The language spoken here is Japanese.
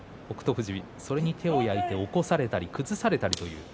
富士、それに手を焼いて起こされたり崩されたりという。